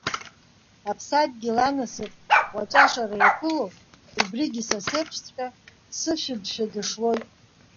Аԥсадгьыл анасыԥуаҵәашара иаԥыло, убригьы са сеиԥшҵәҟьа сышәыбшәа дышлоит.